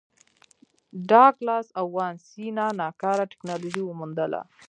ډاګلاس او وانسینا ناکاره ټکنالوژي وموندله.